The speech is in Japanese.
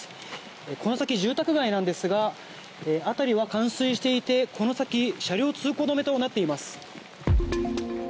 この先、住宅街なんですが辺りは冠水していて、この先車両通行止めとなっています。